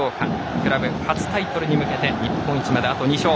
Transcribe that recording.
クラブ初タイトルに向けて日本一まであと２勝。